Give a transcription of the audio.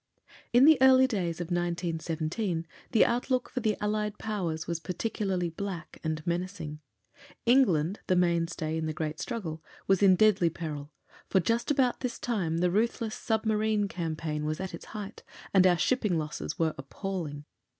In the early days of 1917 the outlook for the Allied Powers was particularly black and menacing. England, the mainstay in the great struggle, was in deadly peril, for, just about this time, the ruthless Submarine campaign was at its height and our shipping losses were appalling.